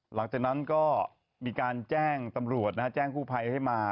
หลังจากนั้นก็มีการแจ้งตำรวจนะฮะแจ้งกู้ภัยให้มา